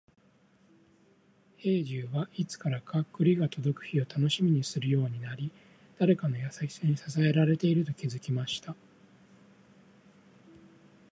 兵十は、いつからか栗が届く日を楽しみにするようになり、誰かの優しさに支えられていると気づきました。